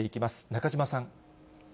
中島さん。